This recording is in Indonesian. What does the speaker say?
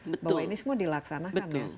betul bahwa ini semua dilaksanakan